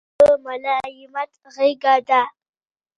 ګل د ملایمت غېږه ده.